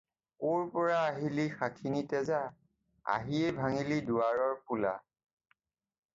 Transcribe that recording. ক'ৰ পৰা আহিলি শাখিনী তেজা, আহিয়েই ভাঙিলি দুৱাৰৰ পোলা।